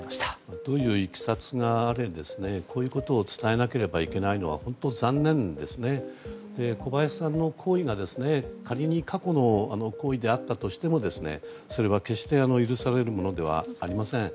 どういういきさつがあれこういうことを伝えなければいけないのは小林さんの行為が仮に過去の行為であったとしてもそれは決して許されるものではありません。